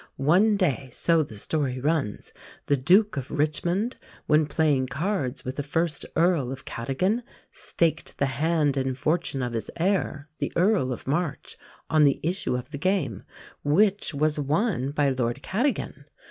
One day, so the story runs, the Duke of Richmond, when playing cards with the first Earl of Cadogan, staked the hand and fortune of his heir, the Earl of March, on the issue of the game, which was won by Lord Cadogan.